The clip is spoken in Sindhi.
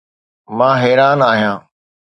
مان حيران آهيان